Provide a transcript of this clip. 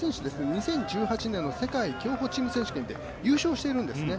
２０１８年の世界競歩チーム選手権で優勝しているんですね。